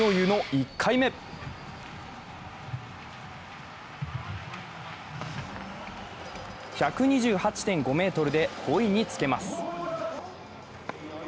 １２８．５ｍで５位につけます。